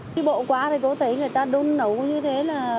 khi bộ qua thì có thấy người ta đun nấu như thế là